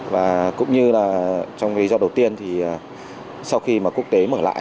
và cũng như là trong lý do đầu tiên thì sau khi mà quốc tế mở lại